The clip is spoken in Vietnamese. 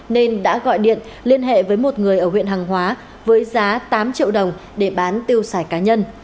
nên đã gọi điện liên hệ với một người ở huyện hàng hóa với giá tám triệu đồng để bán tiêu xài cá nhân